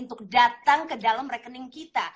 untuk datang ke dalam rekening kita